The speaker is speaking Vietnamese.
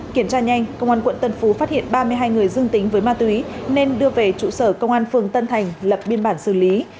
kiểm tra nhanh công an quận tân phú phát hiện ba mươi hai người dương tính với ma túy nên đưa về trụ sở công an phường tân thành lập biên bản xử lý